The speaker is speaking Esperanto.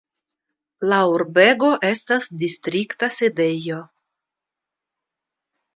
La urbego estas distrikta sidejo.